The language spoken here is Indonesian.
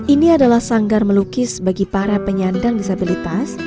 ini adalah sanggar melukis bagi para penyandang disabilitas